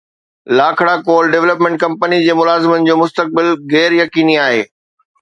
Lakhra coal development company جي ملازمن جو مستقبل غير يقيني آهي